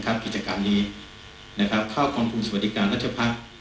กิจกรรมนี้เข้าความภูมิสวรรดิการราชพักษ์